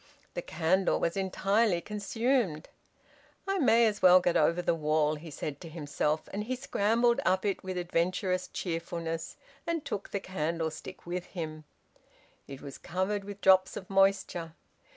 The candle was entirely consumed. "I may as well get over the wall," he said to himself, and he scrambled up it with adventurous cheerfulness, and took the candlestick with him; it was covered with drops of moisture.